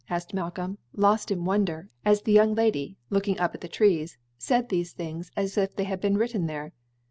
asked Malcolm, lost in wonder, as the young lady, looking up at the trees, said these things as if they had been written there.